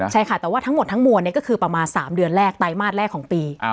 ใช่ค่ะแต่ว่าทั้งหมดทั้งมวลก็คือประมาณ๓เดือนแรกไตรมาสแรกของปี